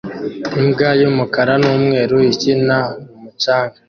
Imbwa y'umukara n'umweru ikina mu mucanga